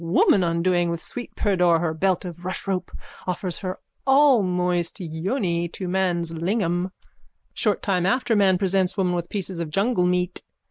_ Woman, undoing with sweet pudor her belt of rushrope, offers her allmoist yoni to man's lingam. Short time after man presents woman with pieces of jungle meat.